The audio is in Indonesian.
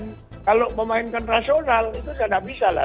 dimainkan kalau dimainkan rasional itu gak bisa lah